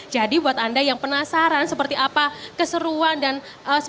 jadi buat anda yang penasaran seperti apa keseruan dan berhasil